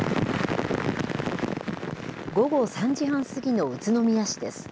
午後３時半過ぎの宇都宮市です。